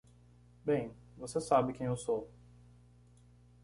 Bem, você sabe quem eu sou.